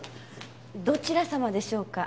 どちら様でしょうか？